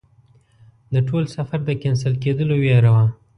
د ټول سفر د کېنسل کېدلو ویره وه.